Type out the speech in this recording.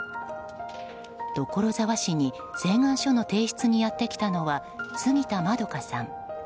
所沢市に請願書の提出にやってきたのは、杉田まどかさん。